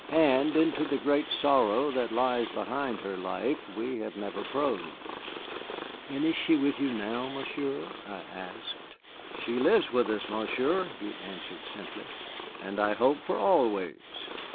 And into the great sorrow that lies behind her life, we have never probed." "And she is with you now, Monsieur?" I asked. "She lives with us, Monsieur," he answered simply, "and I hope for always.